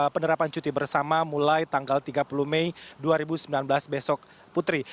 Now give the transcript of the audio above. penerapan cuti bersama mulai tanggal tiga puluh mei dua ribu sembilan belas besok putri